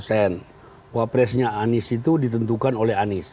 capresnya anies itu ditentukan oleh anies